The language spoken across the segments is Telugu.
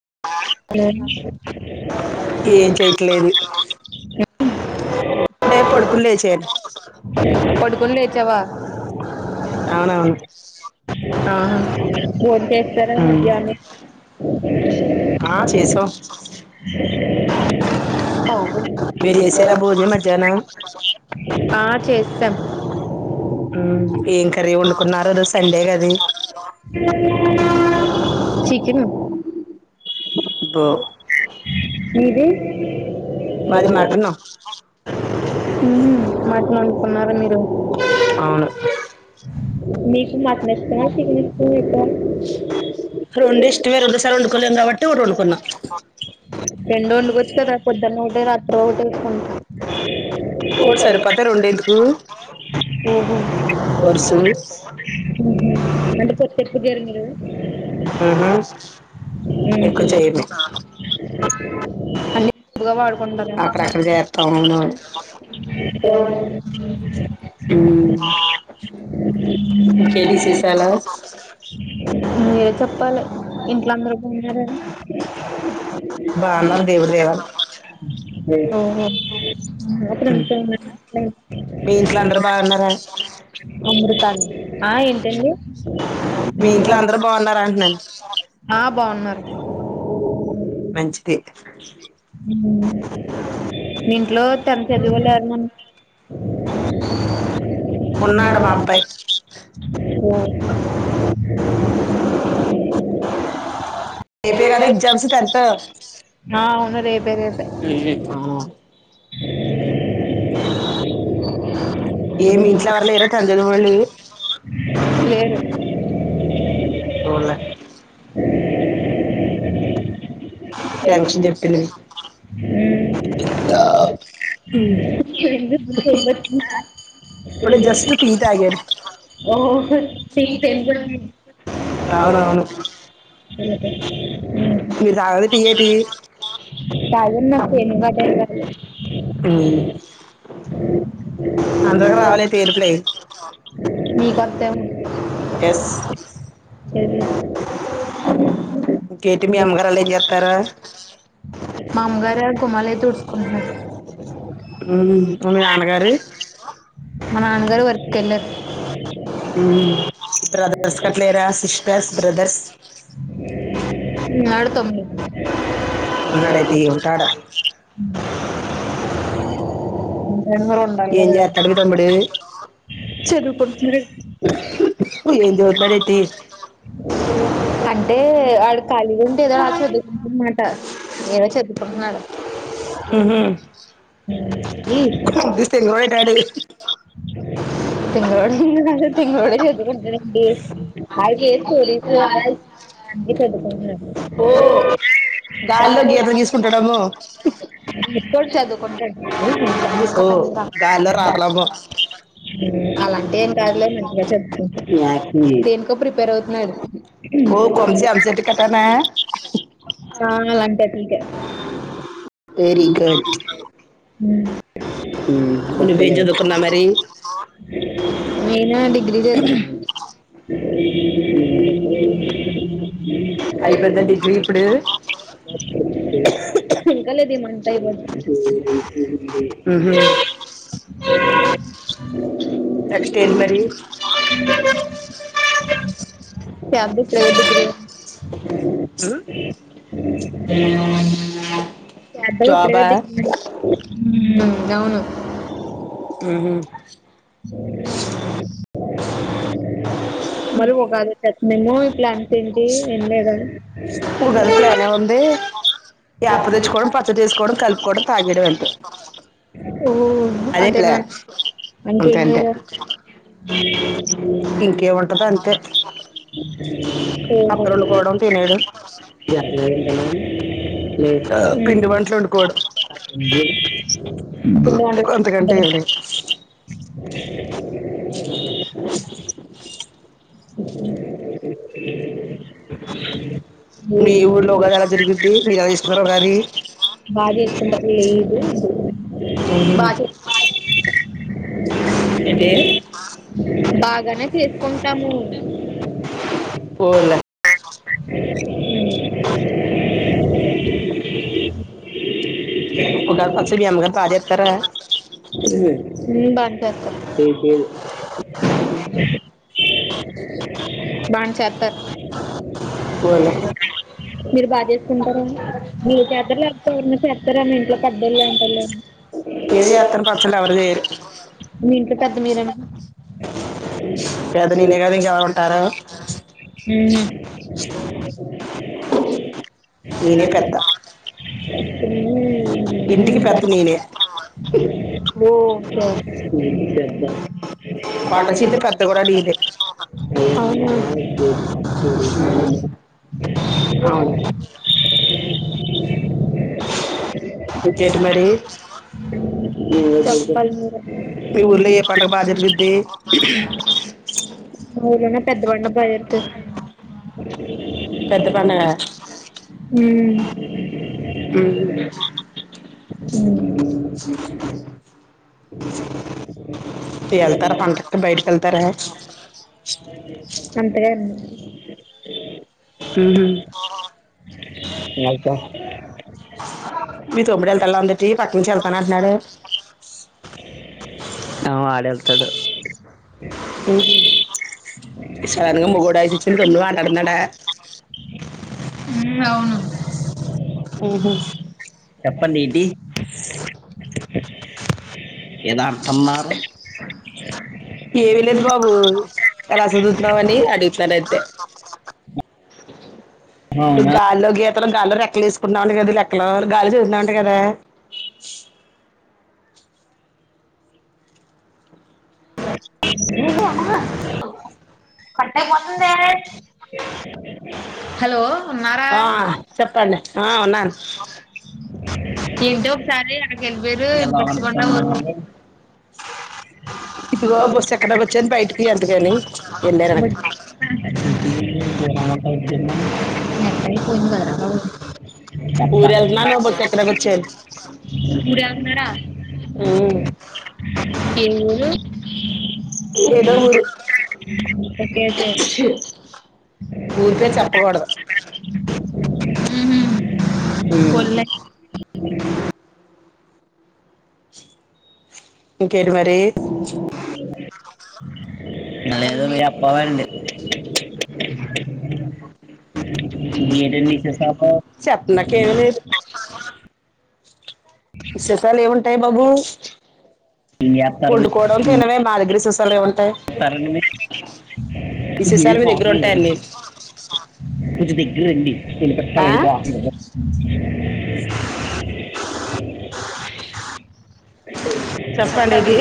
ఆ పడుకొని లేచ లేచావా ఆహ బోంచేశారా మధ్యాహ్నం ఆ చే సేమ్ ఏం కర్రీ వండుకున్నారు ఈ రోజు సండే కదే చికెన్ ద మీది హ మటన్ వండుతున్నార మీరు మీకు [inaudible] రెండు వండుక వచ్చదా పొద్దున్న ఒకటే రాత్ర ఒకటి ఉంచుకుంటా అ ఓహో అంటే కొచ్చపు జరు మీరు ఆ అ ఇగా వాడుకుంటను మీరే చెప్ప చెప్పాల ఇంట్లందరు [unintelligible] [inaudible] ఆ ఏంటండి ఆ బాగున్నారు మంచిది ని ట్లో తన చదువలే [inaudible] ఏపి కదా ఎగ్జామ్స్ టెన్త్ ఏమి ఇంట్లో ఎవర లేరు తదిఎవల్లి పోలే మ్ [inaudible] [unintelligible] కాగ నాకు ఏను కట్టే మీకంతేం స ఏటిమి అమగారాలెమజెతారు తుడుచుకుంటున్నారు ఉ మా మీ నాన్నగారు మా నాన్నగారు వర్క్ వెళ్ళారు మ్ బ్రదర్స్ కట్లేరా సిస్టర్స్ బ్రదర్స్ ఆడుతం చదువుకుంటునాడు అంటే వాడు కాలిగా ఎదో అడా చదువుకుంటునడు ఏదో చదువుకుంటనాడ్ అ అ తింగ తింగడ చేదుకుంటానండి వావికి ఏ స్టోరీస్ అలా ఒచ్చేదు కోట్ అలాంటె ఏం కాదులే మంచిగా చదువుకుం దేనికో ప్రిపేర్ అవుతున్నాడు ఓ కోన్స్ ఎంసెట్ కటానా కే వెరీ గుడ్ నేనా డిగ్రీ చది ఇంకా లేదు ఈ మంత్ అయిపోతది ఉ ఉహు నెక్స్ట్ ఏంటి మరి ప్య చేద్దాం ఇప్పుడే గా డిగ్రీ అవును ఉహు మరి ఉగాది ఒచ్చే మెమోరీ ప్లాన్ ఉగాది ప్లాన్ ఏం ఉంది యాప్ తెచ్చుకోవడం పచ్చడ్ చేసుకోవడం కలుపుకోవడం తగేయడం అంతే అంతేనా అంటే ఎం చేయాలి [unintelligible] ఉ [unintelligible] మీ ఊళ్ళో ఉగాది ఎలా జర్గుద్ది [unintelligible] ఉగాది బాగానే చేసుకుంటాము ఉగాది పచ్చడి మీ అమ్మగారు బా జేత్తారా హ్మ్ బాచెస్ [unintelligible] ఉహు బనేచేత్తర్ మీరు బాగా చేసుకుంటారా, మీరు చేద్దారు లేకపోతే ఎవరిన చెప్తారా మీ ఇంట్లో పంచ్ళ్లు ఏంటళని మీ ఇంట్లో పెద్ద మీరేనా కాదా నేనే కదా ఇంకెవరు ఉంటారు మీనే పెద్దా ఉ ఇంటికి పెద్ద నేనే ఓ కే [inaudible] [inaudible] పాల్మురే ఎవరైనా పెద్ద బండ్లో పోయోతే హ్మ్ హ్మ్ [inaudible] తీ వెళ్తారా పండగాకి బయటికీ వెళ్తారా [inaudible] హ్మ్ వెళ్తా మీ తోమ్ముడు వెళ్తల్లా ఉందిటి పక్కనుంచి వెళ్తాన అంటున్నాడు [inaudible] వాడ్ వెళ్తాడు సాలంగ ముగడచచ్చ తొన్న మన్నడా అవును చెప్పండి ఏంటి ఏమిీ లేదు బాబు ఎలా చదువుతున్నామ అని అడుగుతున్నాన అయితే త గలోగ ఇత్తం గాలి రెక్కలు తీసుకుంటన్నామని కదా లెక్కలు గాలి చద్దామంటని కదా కరెక్ అయిపోతుంది హలో ఉన్నారా ఎల్ది ఒక సారి ఆగల్ మీరు మిక్సీ కొంటా పోత [unintelligible] నెట్టయి పోయిదా రా ఊరు ఏళ్తున్నాడా ఏ ఊరు. ఏదో ఊరు ఊరి పేరు చెప్పకూడదు. ఉహూ ఉం [inaudible] ఇంకేంటి మరి అదద మీరే జెప్పాలండి. చెప్ప నాక ఏమి లేదు. విశేసాల ఏ ఉంట టయి బబు వండుకోడతినడామే మా దగిర సస్ స [unintelligible] కొంచెం దగ్గర రండి. చెప్పండి ఇది.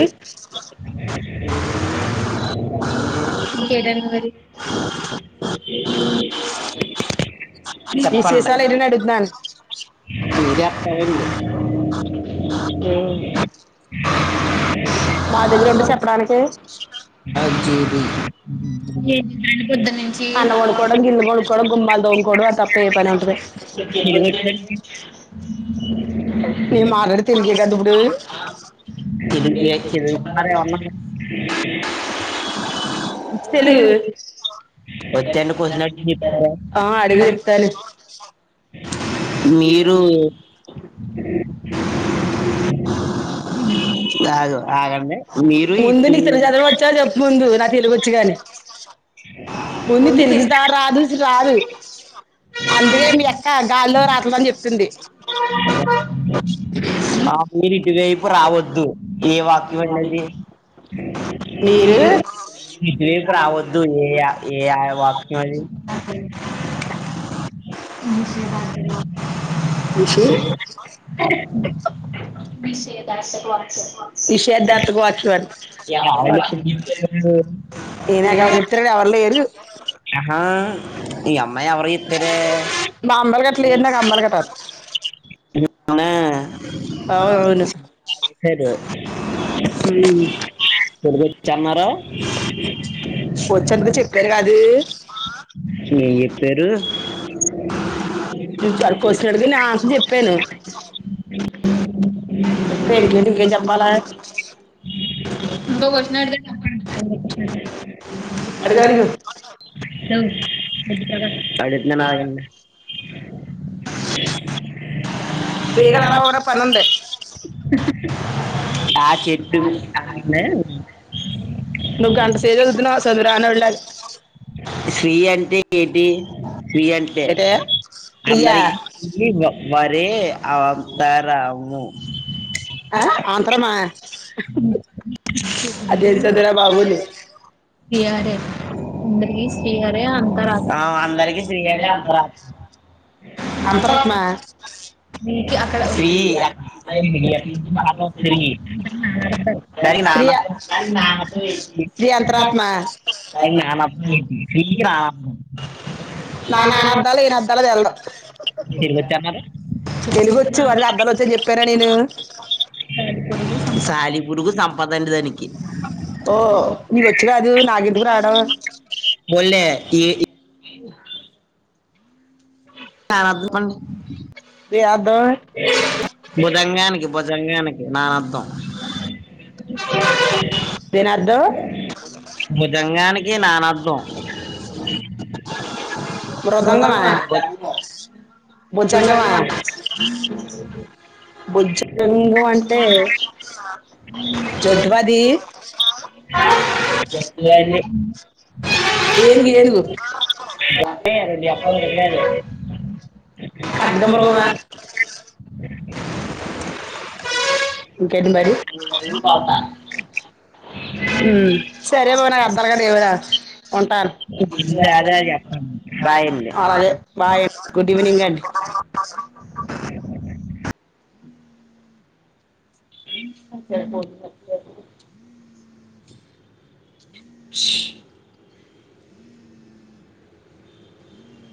ఇకేటి అండి మరి అ [unintelligible] ఈశేషాలు ఎడినా అడుగుతున్నాను. మీ అక్కవ [unintelligible] అ [inaudible] మా దగ్గర ఉంటే చెప్పడానికి, ఏ పొద్దు నుంచిలుగు వచ్చది ఉన్నారేమన్నా. వచ్చానుకు వచ్చినట్టు మీరు. ఆగు ఆగండి మీరు ఇ పి వచ్చా చెప్పముందు నా తెలుగ వచ్చిగాని, ముందు తెలుగుద రాదు రాదు అందుకే మీ ఎక్క గాలిలో రాత్తదని చెప్తుంది. ఇటువైపు రావద్దు య ఏ ఆయా వాక్యాలు మరి [unintelligible] నిషేధార్థకు వాక్ష ఈనాక ఎవరు చెప్తార ఎవరు లేరు ఈ మరి ఎవరు చెప్తారు డు తెలుగొచ్చన్నార ఏ సేరు ను చరకు వసినడుగా నాే అస చెప్పాను అంతే ఇంకేం చెప్పాలా సరే అడిగినాడండి అ బేగ నడవండి ప ఆ చెట్ ఆన్న సి అంటే ఈ శ్రీ అంటే అమరి మరి తార అవును ఆ అంత్రమా అది ఏం సదువురా బాబు సియారే అందరికి సియారే అంతరాత్మ అందరికి ఫ్రీ అని అర్ధం అ అక్కడ ఫ్రీ [inaudible] నానా అనర్ధాలో ఈయన అర్థాల్లో తెల్దు తెలుగొచ్చు మరి అర్ధాలు అంత చెప్పారా నేను గురుగు సంపదండి తనికి ఓ మీకకు వచ్చి కాదు నాకెందుకు రావడం స అది పం బుదంగానికి బుజంగానికి నానర్ధం గంగానికి నానర్థం మృదంగమా బుజంగమా అ [inaudible] ఇంకేటి మరి సరె మరి అర్ధరగా ఎవరా ఉంటను అలాగే బాయ్ గుడ్ ఈవెనింగ్ అండి పో